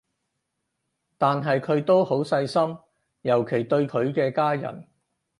但係佢都好細心，尤其對佢嘅家人